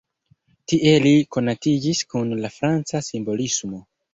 Tie li konatiĝis kun la franca simbolismo.